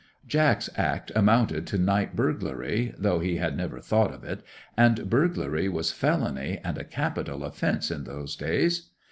'Jack's act amounted to night burglary—though he had never thought of it—and burglary was felony, and a capital offence in those days.